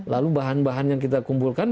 lalu bahan bahan yang kita kumpulkan